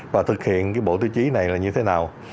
và thực hiện bộ tiêu chí này là như thế nào